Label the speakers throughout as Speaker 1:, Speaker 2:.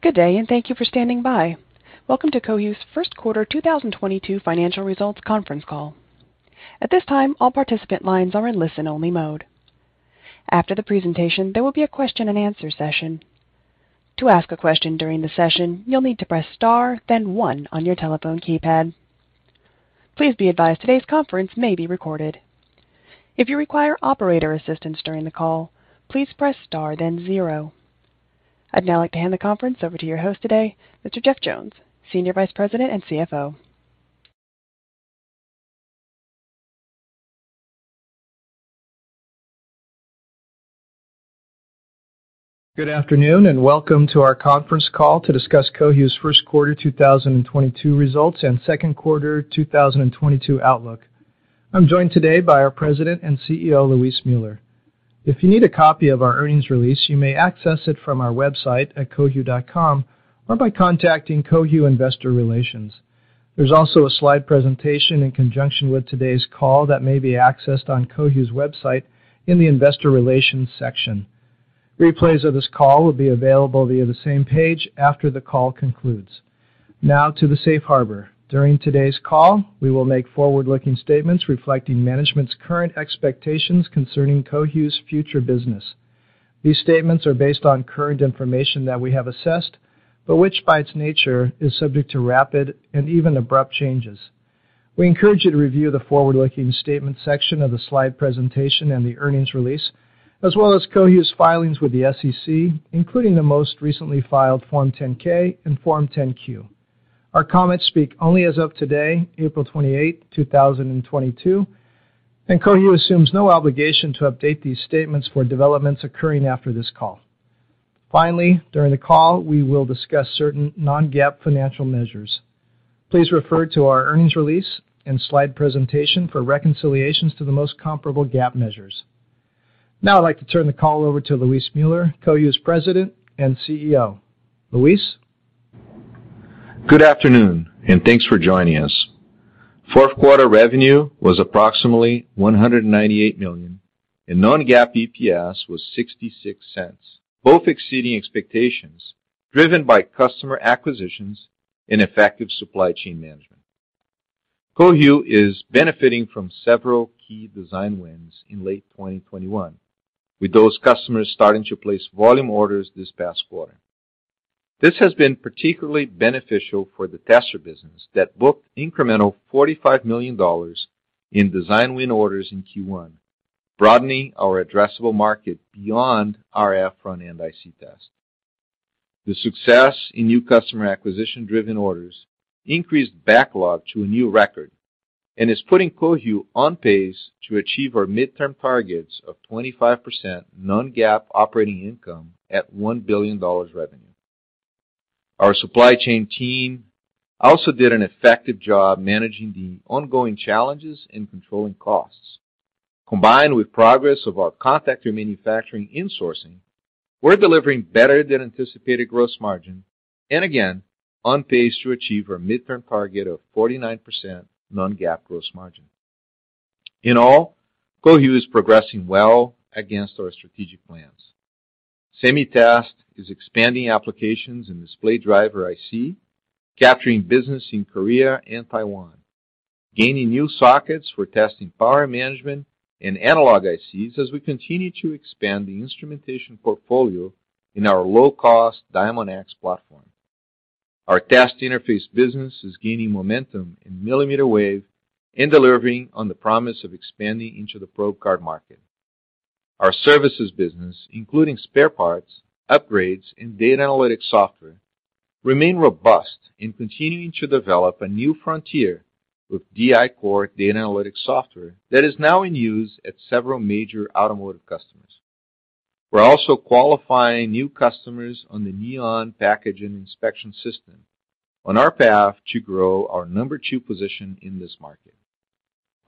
Speaker 1: Good day, and thank you for standing by. Welcome to Cohu's Q1 2022 financial results Conference Call. At this time, all participant lines are in listen-only mode. After the presentation, there will be a question and answer session. To ask a question during the session, you'll need to press star, then 1 on your telephone keypad. Please be advised today's conference may be recorded. If you require operator assistance during the call, please press star, then 0. I'd now like to hand the conference over to your host today, Mr. Jeff Jones, Senior Vice President and CFO.
Speaker 2: Good afternoon, and welcome to our Conference Call to discuss Cohu's Q1 2022 results and Q2 2022 outlook. I'm joined today by our President and CEO, Luis Müller. If you need a copy of our earnings release, you may access it from our website at cohu.com or by contacting Cohu Investor Relations. There's also a slide presentation in conjunction with today's call that may be accessed on Cohu's website in the Investor Relations section. Replays of this call will be available via the same page after the call concludes. Now to the Safe Harbor. During today's call, we will make forward-looking statements reflecting management's current expectations concerning Cohu's future business. These statements are based on current information that we have assessed, but which by its nature is subject to rapid and even abrupt changes. We encourage you to review the forward-looking statement section of the slide presentation and the earnings release, as well as Cohu's filings with the SEC, including the most recently filed Form 10-K and Form 10-Q. Our comments speak only as of today, April 28, 2022, and Cohu assumes no obligation to update these statements for developments occurring after this call. Finally, during the call, we will discuss certain non-GAAP financial measures. Please refer to our earnings release and slide presentation for reconciliations to the most comparable GAAP measures. Now I'd like to turn the call over to Luis Müller, Cohu's President and CEO. Luis.
Speaker 3: Good afternoon, and thanks for joining us. Q4 revenue was approximately $198 million, and non-GAAP EPS was $0.66, both exceeding expectations driven by customer acquisitions and effective supply chain management. Cohu is benefiting from several key design wins in late 2021, with those customers starting to place volume orders this past quarter. This has been particularly beneficial for the tester business that booked incremental $45 million in design win orders in Q1, broadening our addressable market beyond RF front-end IC test. The success in new customer acquisition-driven orders increased backlog to a new record and is putting Cohu on pace to achieve our midterm targets of 25% non-GAAP operating income at $1 billion revenue. Our supply chain team also did an effective job managing the ongoing challenges in controlling costs. Combined with progress of our contactor manufacturing insourcing, we're delivering better than anticipated gross margin and again, on pace to achieve our midterm target of 49% non-GAAP gross margin. In all, Cohu is progressing well against our strategic plans. Semi Test is expanding applications in display driver IC, capturing business in Korea and Taiwan, gaining new sockets for testing power management and analog ICs as we continue to expand the instrumentation portfolio in our low-cost Diamondx platform. Our test interface business is gaining momentum in millimeter wave and delivering on the promise of expanding into the probe card market. Our services business, including spare parts, upgrades, and data analytics software, remain robust in continuing to develop a new frontier with DI-Core data analytics software that is now in use at several major automotive customers. We're also qualifying new customers on the Neon packaging inspection system on our path to grow our number two position in this market.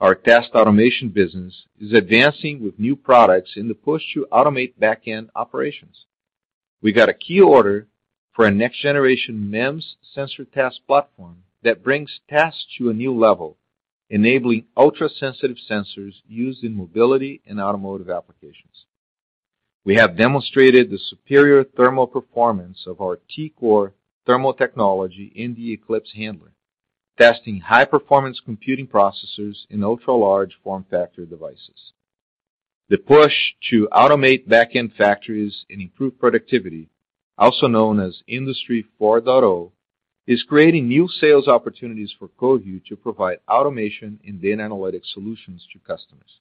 Speaker 3: Our test automation business is advancing with new products in the push to automate back-end operations. We got a key order for a next-generation MEMS sensor test platform that brings tests to a new level, enabling ultra-sensitive sensors used in mobility and automotive applications. We have demonstrated the superior thermal performance of our T-Core thermal technology in the Eclipse handler, testing high-performance computing processors in ultra-large form factor devices. The push to automate back-end factories and improve productivity, also known as Industry 4.0, is creating new sales opportunities for Cohu to provide automation and data analytics solutions to customers.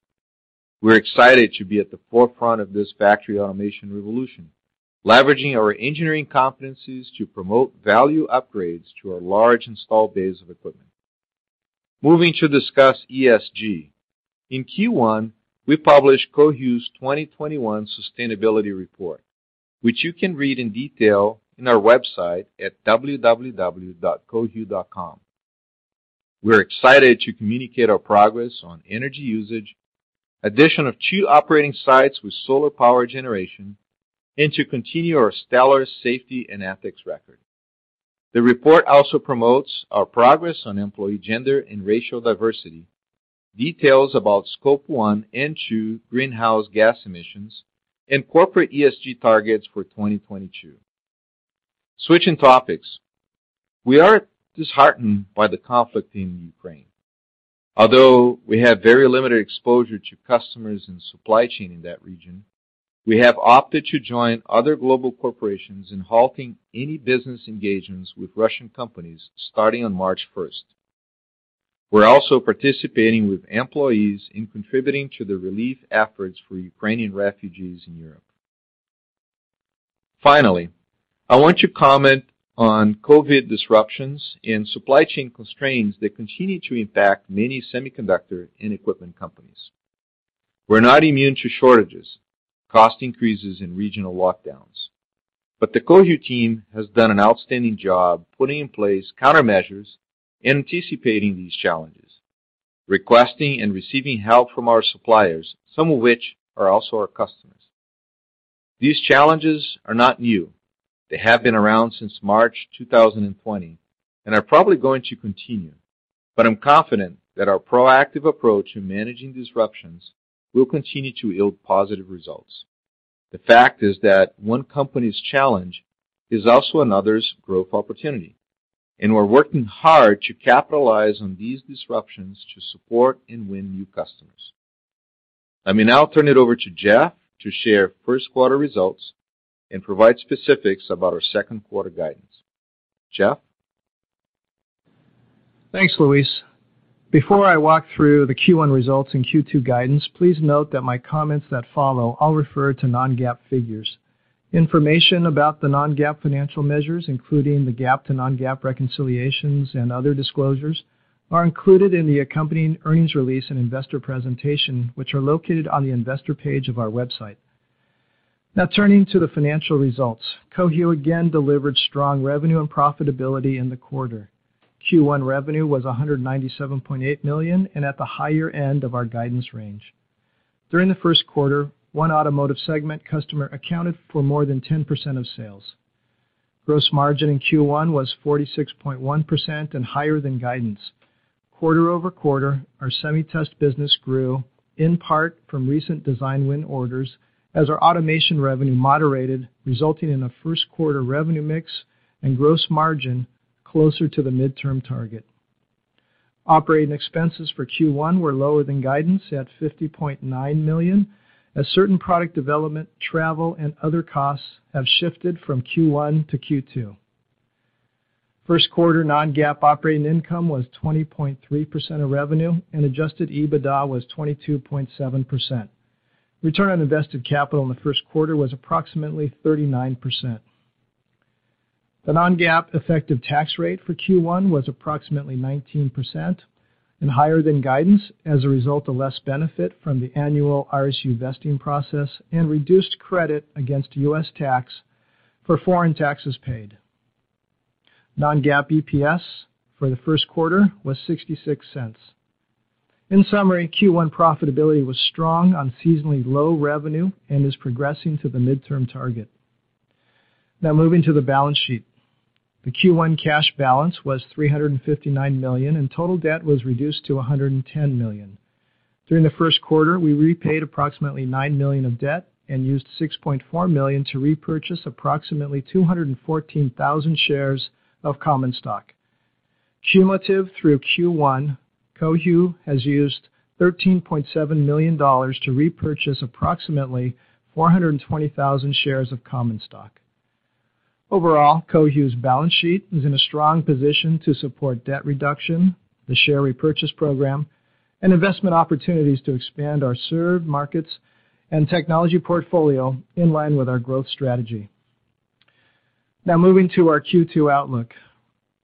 Speaker 3: We're excited to be at the forefront of this factory automation revolution, leveraging our engineering competencies to promote value upgrades to our large installed base of equipment. Moving to discuss ESG. In Q1, we published Cohu's 2021 sustainability report, which you can read in detail on our website at www.cohu.com. We're excited to communicate our progress on energy usage, addition of 2 operating sites with solar power generation, and to continue our stellar safety and ethics record. The report also promotes our progress on employee gender and racial diversity, details about scope 1 and 2 greenhouse gas emissions, and corporate ESG targets for 2022. Switching topics, we are disheartened by the conflict in Ukraine. Although we have very limited exposure to customers and supply chain in that region, we have opted to join other global corporations in halting any business engagements with Russian companies starting on March 1. We're also participating with employees in contributing to the relief efforts for Ukrainian refugees in Europe. Finally, I want to comment on COVID disruptions and supply chain constraints that continue to impact many semiconductor and equipment companies. We're not immune to shortages, cost increases, and regional lockdowns, but the Cohu team has done an outstanding job putting in place countermeasures, anticipating these challenges, requesting and receiving help from our suppliers, some of which are also our customers. These challenges are not new. They have been around since March 2020, and are probably going to continue. I'm confident that our proactive approach in managing disruptions will continue to yield positive results. The fact is that one company's challenge is also another's growth opportunity, and we're working hard to capitalize on these disruptions to support and win new customers. Let me now turn it over to Jeff to share Q1 results and provide specifics about our Q2 guidance. Jeff?
Speaker 2: Thanks, Luis. Before I walk through the Q1 results and Q2 guidance, please note that my comments that follow all refer to non-GAAP figures. Information about the non-GAAP financial measures, including the GAAP to non-GAAP reconciliations and other disclosures, are included in the accompanying earnings release and investor presentation, which are located on the investor page of our website. Now turning to the financial results. Cohu again delivered strong revenue and profitability in the quarter. Q1 revenue was $197.8 million and at the higher-end of our guidance range. During the Q1, one automotive segment customer accounted for more than 10% of sales. Gross margin in Q1 was 46.1% and higher than guidance. Quarter-over-quarter, our semi-test business grew, in part from recent design win orders as our automation revenue moderated, resulting in a Q1 revenue mix and gross margin closer to the midterm target. Operating expenses for Q1 were lower than guidance at $50.9 million, as certain product development, travel, and other costs have shifted from Q1 to Q2. Q1 non-GAAP operating income was 20.3% of revenue, and adjusted EBITDA was 22.7%. Return on invested capital in the Q1 was approximately 39%. The non-GAAP effective tax rate for Q1 was approximately 19% and higher than guidance as a result of less benefit from the annual RSU vesting process and reduced credit against US. tax for foreign taxes paid. Non-GAAP EPS for the Q1 was $0.66. In summary, Q1 profitability was strong on seasonally low revenue and is progressing to the midterm target. Now moving to the balance sheet. The Q1 cash balance was $359 million, and total debt was reduced to $110 million. During the Q1, we repaid approximately $9 million of debt and used $6.4 million to repurchase approximately 214,000 shares of common stock. Cumulative through Q1, Cohu has used $13.7 million to repurchase approximately 420,000 shares of common stock. Overall, Cohu's balance sheet is in a strong position to support debt reduction, the share repurchase program, and investment opportunities to expand our served markets and technology portfolio in line with our growth strategy. Now moving to our Q2 outlook.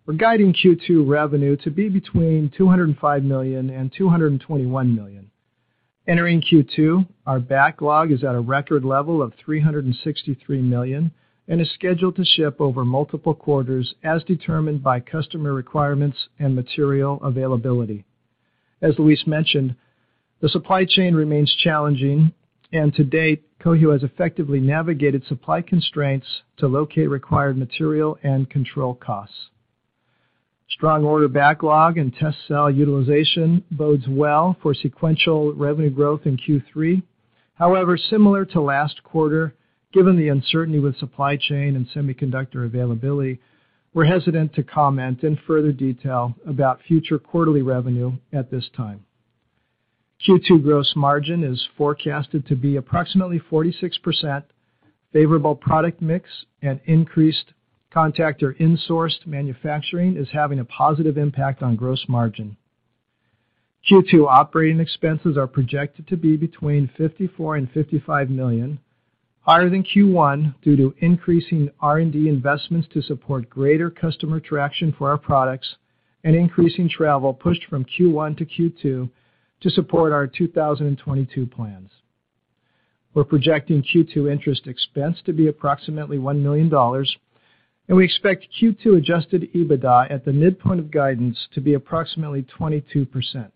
Speaker 2: We're guiding Q2 revenue to be between $205 million and $221 million. Entering Q2, our backlog is at a record level of $363 million and is scheduled to ship over multiple quarters as determined by customer requirements and material availability. As Luis mentioned, the supply chain remains challenging, and to date, Cohu has effectively navigated supply constraints to locate required material and control costs. Strong order backlog and test cell utilization bodes well for sequential revenue growth in Q3. However, similar to last quarter, given the uncertainty with supply chain and semiconductor availability, we're hesitant to comment in further detail about future quarterly revenue at this time. Q2 gross margin is forecasted to be approximately 46%. Favorable product mix and increased contactor insourced manufacturing is having a positive impact on gross margin. Q2 operating expenses are projected to be between $54 million and $55 million, higher than Q1 due to increasing R&D investments to support greater customer traction for our products and increasing travel pushed from Q1 to Q2 to support our 2022 plans. We're projecting Q2 interest expense to be approximately $1 million, and we expect Q2 adjusted EBITDA at the midpoint of guidance to be approximately 22%.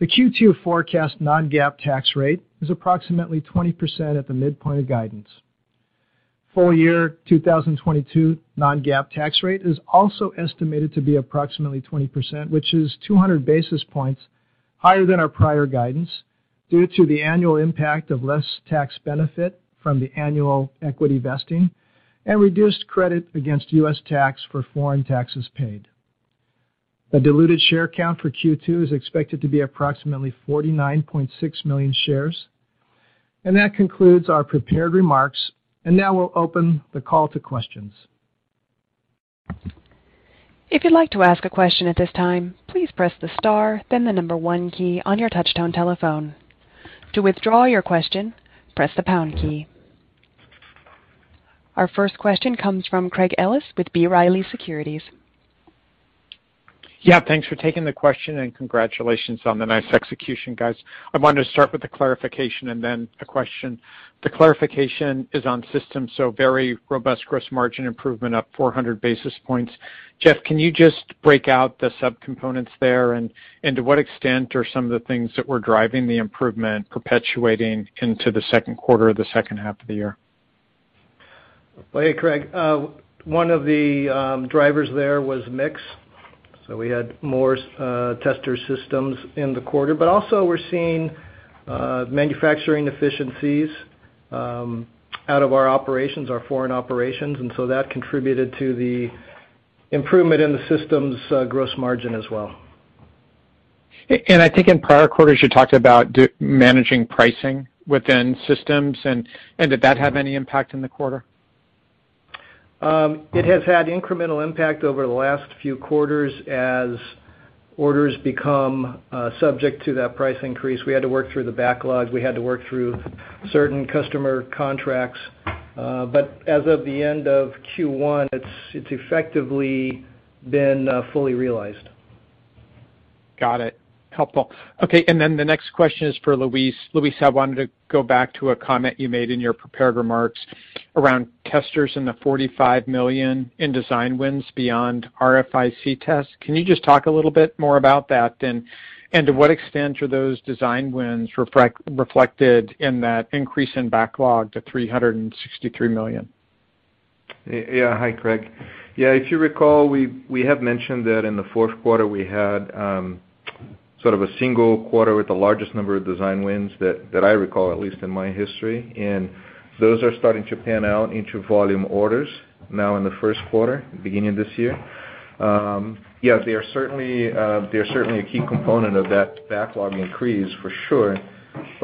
Speaker 2: The Q2 forecast non-GAAP tax rate is approximately 20% at the midpoint of guidance. Full-year 2022 non-GAAP tax rate is also estimated to be approximately 20%, which is 200 basis points higher than our prior guidance due to the annual impact of less tax benefit from the annual equity vesting and reduced credit against US. tax for foreign taxes paid. The diluted share count for Q2 is expected to be approximately 49.6 million shares. That concludes our prepared remarks. Now we'll open the call to questions.
Speaker 1: If you'd like to ask a question at this time, please press the star then the number one key on your touchtone telephone. To withdraw your question, press the pound key. Our first question comes from Craig Ellis with B. Riley Securities.
Speaker 4: Yeah, thanks for taking the question and congratulations on the nice execution, guys. I wanted to start with a clarification and then a question. The clarification is on systems, so very robust gross margin improvement, up 400 basis points. Jeff, can you just break out the subcomponents there? And to what extent are some of the things that were driving the improvement perpetuating into the Q2 or the second half of the year?
Speaker 2: Well, hey, Craig. One of the drivers there was mix. We had more tester systems in the quarter, but also we're seeing manufacturing efficiencies out of our operations, our foreign operations, and so that contributed to the improvement in the systems gross margin as well.
Speaker 4: I think in prior quarters you talked about managing pricing within systems, and did that have any impact in the quarter?
Speaker 2: It has had incremental impact over the last few quarters as orders become subject to that price increase. We had to work through the backlog. We had to work through certain customer contracts. As of the end of Q1, it's effectively been fully realized.
Speaker 4: Got it. Helpful. Okay, the next question is for Luis. Luis, I wanted to go back to a comment you made in your prepared remarks around testers in the $45 million in design wins beyond RFIC tests. Can you just talk a little bit more about that then? And to what extent are those design wins reflected in that increase in backlog to $363 million?
Speaker 3: Yeah. Hi, Craig. Yeah, if you recall, we have mentioned that in the Q4 we had sort of a single-quarter with the largest number of design wins that I recall, at least in my history. Those are starting to pan out into volume orders now in the Q1, beginning this year. Yeah, they are certainly a key component of that backlog increase for sure.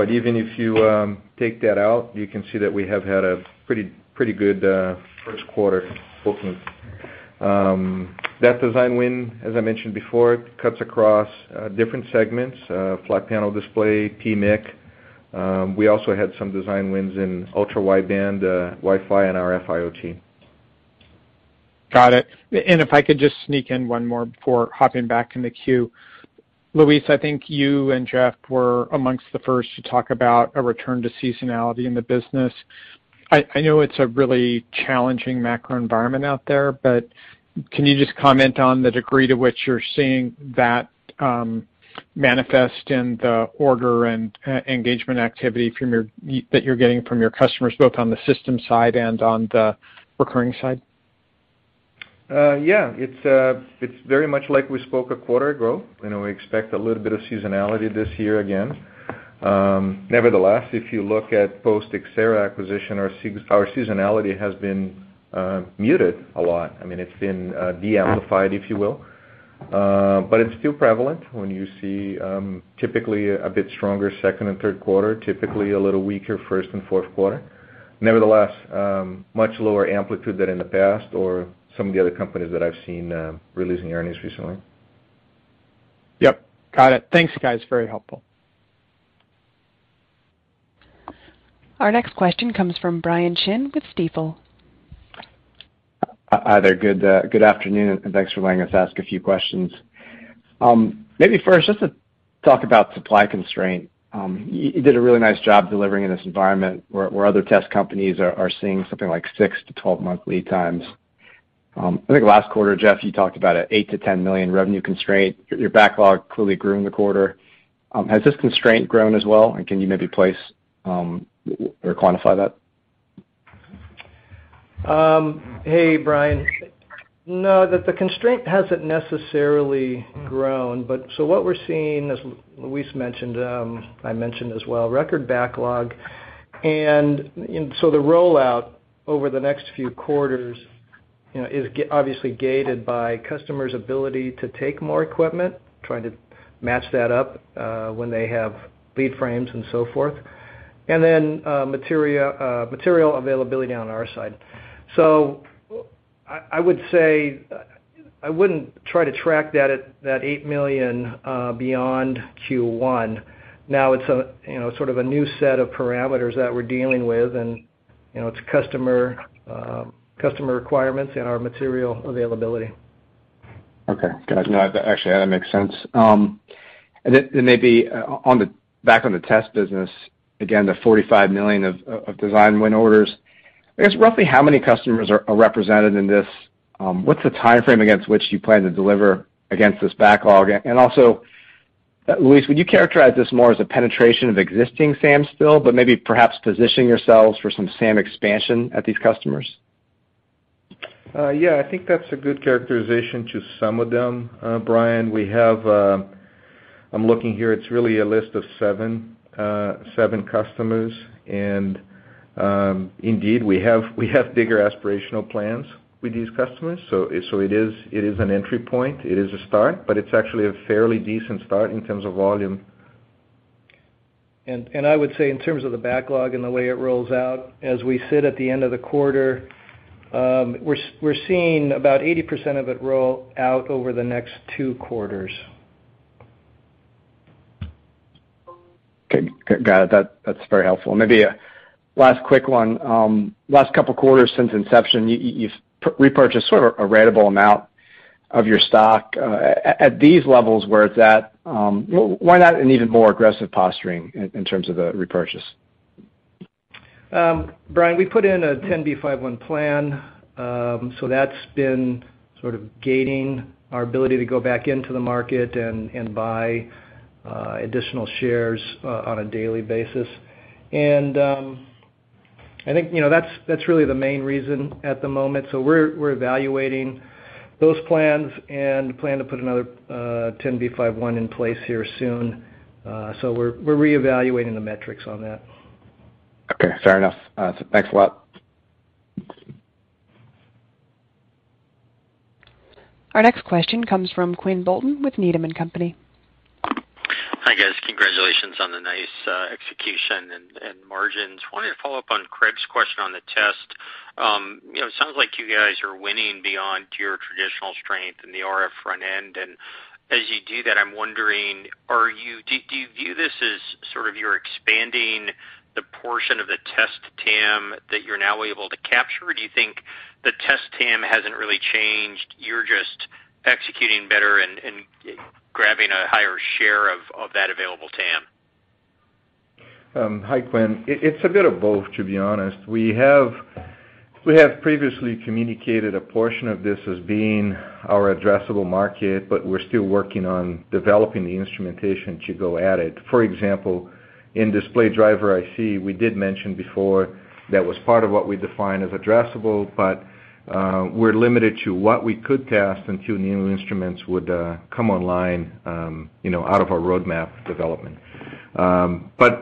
Speaker 3: Even if you take that out, you can see that we have had a pretty good Q1 booking. That design win, as I mentioned before, cuts across different segments, flat panel display, PMIC. We also had some design wins in ultra-wideband, Wi-Fi and RF IoT.
Speaker 4: Got it. If I could just sneak in one more before hopping back in the queue. Luis, I think you and Jeff were amongst the first to talk about a return to seasonality in the business. I know it's a really challenging macro environment out there, but can you just comment on the degree to which you're seeing that manifest in the order and engagement activity that you're getting from your customers, both on the systems side and on the recurring side?
Speaker 3: Yeah. It's very much like we spoke a quarter ago. You know, we expect a little bit of seasonality this year again. Nevertheless, if you look at post-Xcerra acquisition, our seasonality has been muted a lot. I mean, it's been de-amplified, if you will. It's still prevalent when you see typically a bit stronger second and Q3, typically a little weaker Q1 and Q4. Nevertheless, much lower-amplitude than in the past or some of the other companies that I've seen releasing earnings recently.
Speaker 4: Yep. Got it. Thanks, guys. Very helpful.
Speaker 1: Our next question comes from Brian Chin with Stifel.
Speaker 5: Hi there. Good afternoon, and thanks for letting us ask a few questions. Maybe first, just to talk about supply constraint. You did a really nice job delivering in this environment where other test companies are seeing something like 6-12-month lead times. I think last quarter, Jeff, you talked about an $8-$10 million revenue constraint. Your backlog clearly grew in the quarter. Has this constraint grown as well? Can you maybe place or quantify that?
Speaker 2: Hey, Brian. No, the constraint hasn't necessarily grown, but what we're seeing, as Luis mentioned, I mentioned as well, record backlog. The rollout over the next few quarters, you know, is obviously gated by customers' ability to take more equipment, trying to match that up when they have lead frames and so forth. Then, material availability on our side. I would say I wouldn't try to track that at that $8 million beyond Q1. Now it's, you know, sort of a new set of parameters that we're dealing with, and, you know, it's customer requirements and our material availability.
Speaker 5: Okay. Gotcha. No, actually, that makes sense. Maybe, back on the test business, again, the $45 million of design win orders. I guess, roughly how many customers are represented in this? What's the timeframe against which you plan to deliver against this backlog? Also, Luis, would you characterize this more as a penetration of existing SAM, still, but maybe perhaps positioning yourselves for some SAM expansion at these customers?
Speaker 3: Yeah, I think that's a good characterization to some of them, Brian. We have, I'm looking here, it's really a list of seven customers. Indeed we have bigger aspirational plans with these customers. It is an entry point. It is a start, but it's actually a fairly decent start in terms of volume.
Speaker 2: I would say in terms of the backlog and the way it rolls out, as we sit at the end of the quarter, we're seeing about 80% of it roll out over the next two quarters.
Speaker 5: Okay. Got it. That's very helpful. Maybe a last quick one. Last couple of quarters since inception, you've repurchased sort of a ratable amount of your stock. At these levels where it's at, why not an even more aggressive posturing in terms of the repurchase?
Speaker 2: Brian, we put in a 10b5-1 plan. That's been sort of gating our ability to go back into the market and buy additional shares on a daily basis. I think, you know, that's really the main reason at the moment. We're evaluating those plans and plan to put another 10b5-1 in place here soon. We're reevaluating the metrics on that.
Speaker 5: Okay, fair enough. Thanks a lot.
Speaker 1: Our next question comes from Quinn Bolton with Needham & Company.
Speaker 6: Hi, guys. Congratulations on the nice execution and margins. Wanted to follow-up on Craig's question on the test. You know, it sounds like you guys are winning beyond your traditional strength in the RF front-end. As you do that, I'm wondering, do you view this as sort of you're expanding the portion of the test TAM that you're now able to capture? Or do you think the test TAM hasn't really changed, you're just executing better and grabbing a higher share of that available TAM?
Speaker 3: Hi, Quinn. It's a bit of both, to be honest. We have previously communicated a portion of this as being our addressable market, but we're still working on developing the instrumentation to go at it. For example, in display driver IC, we did mention before that was part of what we define as addressable, but we're limited to what we could test until new instruments would come online, you know, out of our roadmap development.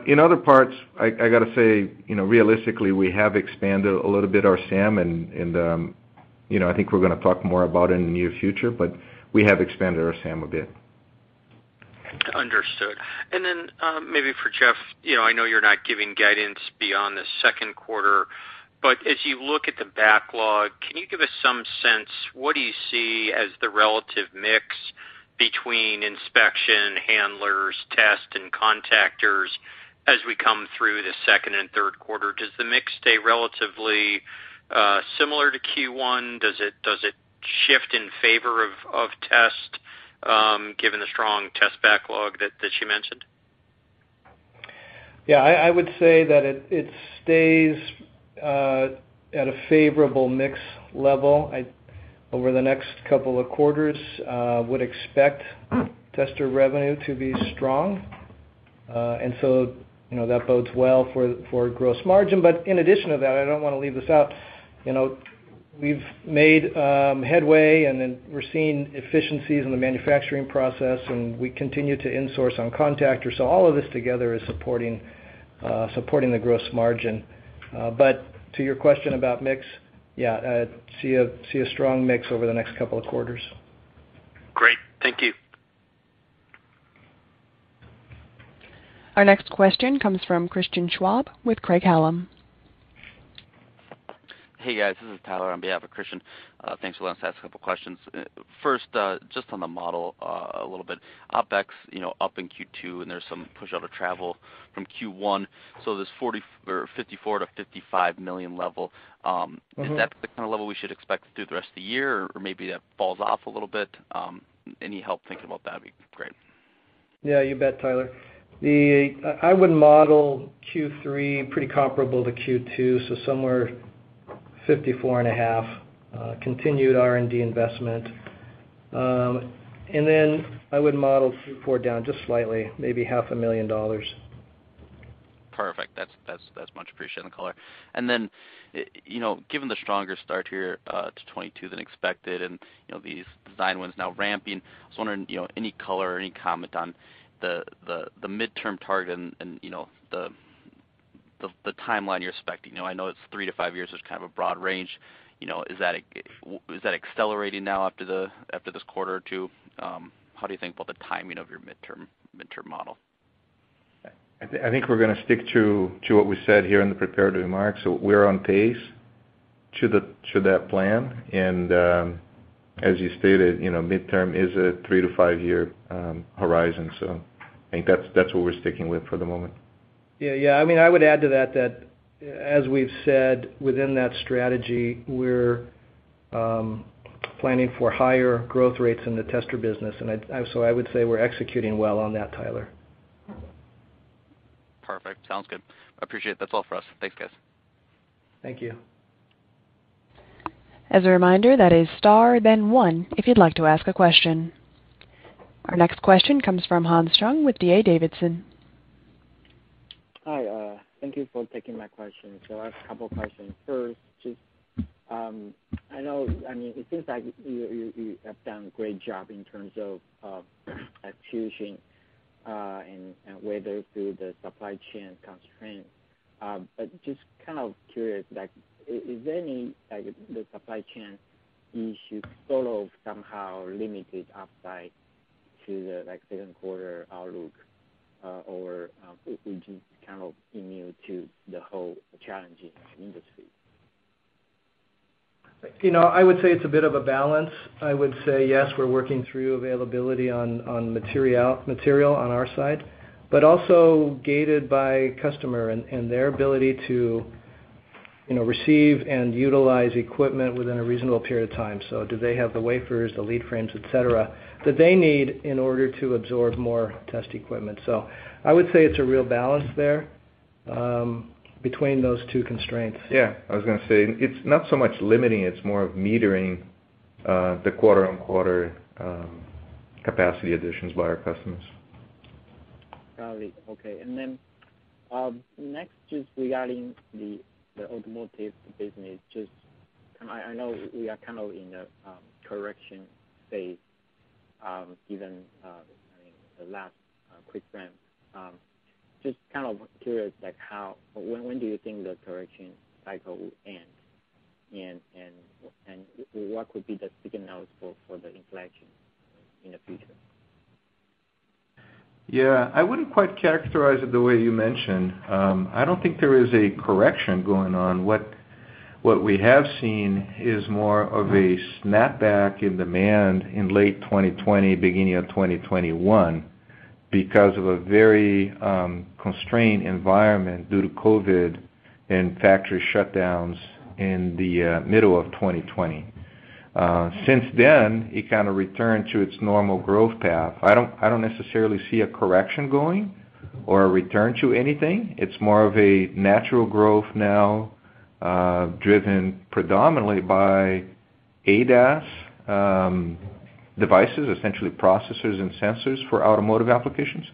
Speaker 3: In other parts, I gotta say, you know, realistically, we have expanded a little bit our SAM and, you know, I think we're gonna talk more about it in the near future, but we have expanded our SAM a bit.
Speaker 6: Understood. Then maybe for Jeff, you know, I know you're not giving guidance beyond the Q2. As you look at the backlog, can you give us some sense, what do you see as the relative mix between inspection, handlers, test, and contactors as we come through the second and Q3? Does the mix stay relatively similar to Q1? Does it shift in favor of test, given the strong test backlog that you mentioned?
Speaker 2: Yeah, I would say that it stays at a favorable mix level. I over the next couple of quarters would expect tester revenue to be strong. You know, that bodes well for gross margin. In addition to that, I don't wanna leave this out, you know, we've made headway, and then we're seeing efficiencies in the manufacturing process, and we continue to insource on contactor. All of this together is supporting the gross margin. To your question about mix, yeah, I see a strong mix over the next couple of quarters.
Speaker 6: Great. Thank you.
Speaker 1: Our next question comes from Christian Schwab with Craig-Hallum.
Speaker 7: Hey, guys. This is Tyler on behalf of Christian. Thanks for letting us ask a couple questions. First, just on the model, a little bit. OpEx, you know, up in Q2, and there's some push out of travel from Q1. This $54 million-$55 million level.
Speaker 2: Mm-hmm.
Speaker 7: Is that the kind of level we should expect through the rest of the year? Or maybe that falls off a little bit? Any help thinking about that would be great.
Speaker 2: Yeah, you bet, Tyler. I would model Q3 pretty comparable to Q2, so somewhere $54.5 million, continued R&D investment. I would model Q4 down just slightly, maybe half a million dollars.
Speaker 7: Perfect. That's much appreciated, the color. Then, you know, given the stronger start here to 2022 than expected and, you know, these design wins now ramping, I was wondering, you know, any color or any comment on the midterm target and, you know, the timeline you're expecting. You know, I know it's 3-5 years, kind of a broad range. You know, is that accelerating now after this quarter or two? How do you think about the timing of your midterm model?
Speaker 3: I think we're gonna stick to what we said here in the prepared remarks. We're on pace to that plan. As you stated, you know, midterm is a 3-5-year horizon. I think that's what we're sticking with for the moment.
Speaker 2: Yeah, yeah. I mean, I would add to that that, as we've said within that strategy, we're planning for higher growth rates in the tester business. So I would say we're executing well on that, Tyler.
Speaker 7: Perfect. Sounds good. I appreciate it. That's all for us. Thanks, guys.
Speaker 2: Thank you.
Speaker 1: As a reminder, that is star then one if you'd like to ask a question. Our next question comes from Hans Chung with D.A. Davidson.
Speaker 8: Hi, thank you for taking my question. I have a couple questions. First, just, I know, I mean, it seems like you have done a great job in terms of execution and weathered through the supply chain constraint. But just kind of curious, like is any, like, the supply chain issues sort of somehow limited upside to the, like, Q2 outlook, or, which is kind of immune to the whole challenge in this industry?
Speaker 2: You know, I would say it's a bit of a balance. I would say, yes, we're working through availability on material on our side, but also gated by customer and their ability to, you know, receive and utilize equipment within a reasonable period of time. Do they have the wafers, the lead frames, et cetera, that they need in order to absorb more test equipment? I would say it's a real balance there between those two constraints.
Speaker 3: Yeah. I was gonna say it's not so much limiting, it's more of metering, the quarter-on-quarter capacity additions by our customers.
Speaker 8: Got it. Okay. Next, just regarding the automotive business, just I know we are kind of in a correction phase, given I mean, the last quick ramp. Just kind of curious, like when do you think the correction cycle will end? What would be the signal for the inflection in the future?
Speaker 3: Yeah. I wouldn't quite characterize it the way you mentioned. I don't think there is a correction going on. What we have seen is more of a snapback in demand in late 2020, beginning of 2021 because of a very constrained environment due to COVID and factory shutdowns in the middle of 2020. Since then, it kind of returned to its normal growth path. I don't necessarily see a correction going or a return to anything. It's more of a natural growth now, driven predominantly by ADAS devices, essentially processors and sensors for automotive applications,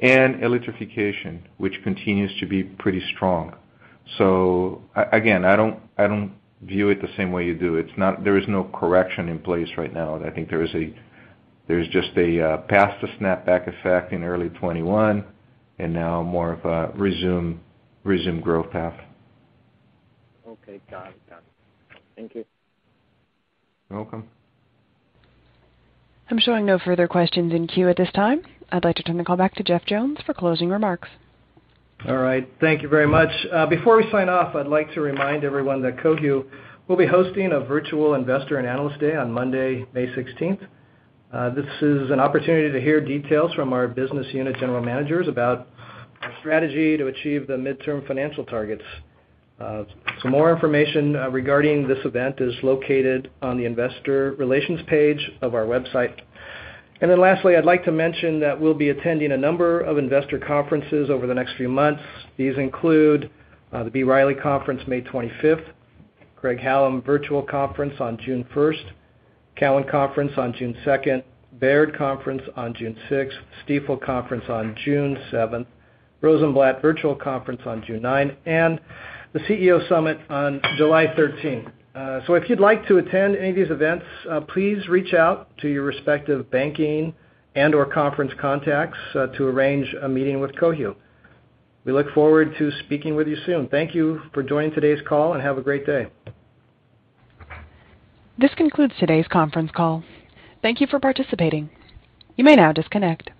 Speaker 3: and electrification, which continues to be pretty strong. I don't view it the same way you do. There is no correction in place right now, and I think there's just a past the snapback effect in early 2021 and now more of a resume growth path.
Speaker 8: Okay. Got it. Thank you.
Speaker 3: You're welcome.
Speaker 1: I'm showing no further questions in queue at this time. I'd like to turn the call back to Jeff Jones for closing remarks.
Speaker 2: All right. Thank you very much. Before we sign off, I'd like to remind everyone that Cohu will be hosting a virtual Investor and Analyst Day on Monday, May 16. This is an opportunity to hear details from our business unit general managers about our strategy to achieve the midterm financial targets. Some more information regarding this event is located on the investor relations page of our website. Lastly, I'd like to mention that we'll be attending a number of investor conferences over the next few months. These include the B. Riley Conference, May 25, Craig-Hallum Virtual Conference on June 1, Cowen Conference on June 2, Baird Conference on June 6, Stifel Conference on June 7, Rosenblatt Virtual Conference on June 9, and the CEO Summit on July 13. If you'd like to attend any of these events, please reach out to your respective banking and/or conference contacts, to arrange a meeting with Cohu. We look forward to speaking with you soon. Thank you for joining today's call, and have a great day.
Speaker 1: This concludes today's Conference Call. Thank you for participating. You may now disconnect.